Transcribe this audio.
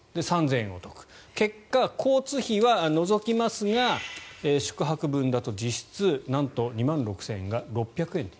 ３０００円分お得結果、交通費は除きますが宿泊分だと実質なんと２万６０００円が６００円。